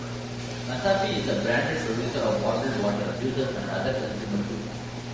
Masafi is a branded producer of bottled water, juices and other consumer goods.